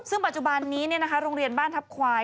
ซึ่งปัจจุบันนี้เนี่ยนะคะโรงเรียนบ้านทัพควาย